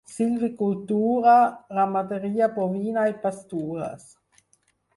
Silvicultura, ramaderia bovina i pastures.